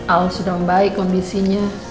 al sudah baik kondisinya